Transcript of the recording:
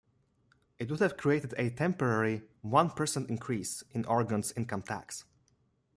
It would have created a temporary one-percent increase in Oregon's income tax.